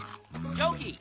ジョーキー？